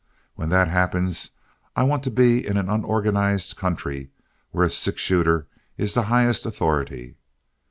When that happens, I want to be in an unorganized country where a six shooter is the highest authority."